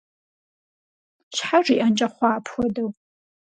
Щхьэ жиӀэнкӀэ хъуа апхуэдэу?